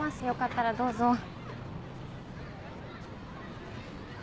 よかったらどうぞ。